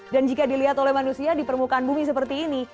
dan jika dilihat oleh manusia di permukaan bumi seperti ini